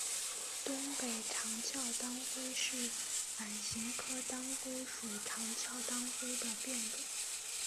东北长鞘当归是伞形科当归属长鞘当归的变种。